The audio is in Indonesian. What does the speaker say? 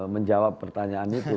menjawab pertanyaan itu